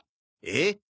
えっ！？